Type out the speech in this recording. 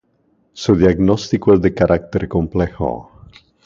Su diagnóstico es de carácter complejo.